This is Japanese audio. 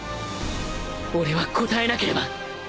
俺は応えなければ！